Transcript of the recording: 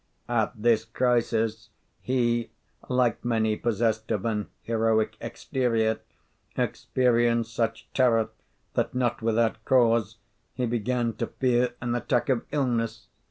at this crisis, he, like many possessed of an heroic exterior, experienced such terror, that, not without cause, he began to fear an attack of illness.